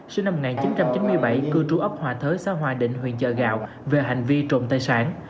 sinh năm một nghìn chín trăm chín mươi bảy cư trú ấp hòa thới xã hòa định huyện chợ gạo về hành vi trộm tài sản